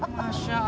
masya allah pur